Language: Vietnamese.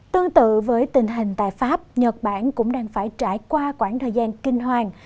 tương tự với tình hình tại pháp nhật bản cũng đang phải trải qua quãng thời gian kinh hoàng